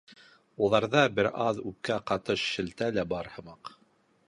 Уларҙа бер аҙ үпкә ҡатыш шелтә лә бар һымаҡ.